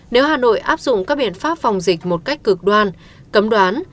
nếu hà nội áp dụng các biện pháp phòng dịch một cách cực đoan cấm đoán